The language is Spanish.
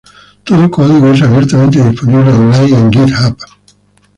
Todo código es abiertamente disponible on-line en GitHub.